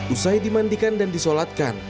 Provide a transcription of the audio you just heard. usai dimandikan dan disolatkan